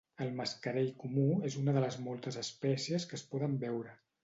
El mascarell comú és una de les moltes espècies que es poden veure.